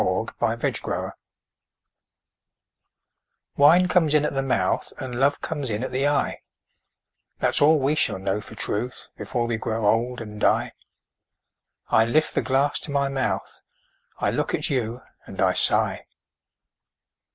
A DRINKING SONG Wine comes in at the mouth And love comes in at the eye; That's all we shall know for truth Before we grow old and die. I lift the glass to my mouth, I look at you, and I sigh.